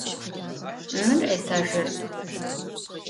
Mır etajjerk.